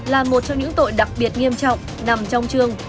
là một trong những tội đặc biệt nghiêm trọng nằm trong trường